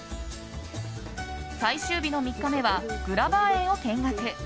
最終日の３日目はグラバー園を見学。